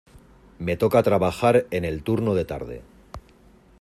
Me toca trabajar en el turno de tarde.